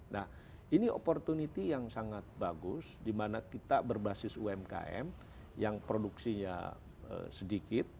nah ini opportunity yang sangat bagus di mana kita berbasis umkm yang produksinya sedikit